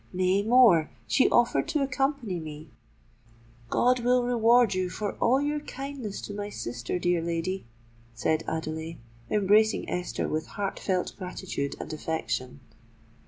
Nay—more: she offered to accompany me——" "God will reward you for all your kindness to my sister, dear lady," said Adelais, embracing Esther with heart felt gratitude and affection.